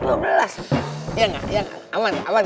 ya gak ya gak aman aman